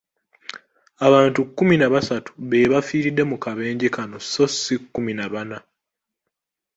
Abantu kumi na basatu be bafiiridde mu kabenje kano sso si kumi na bana.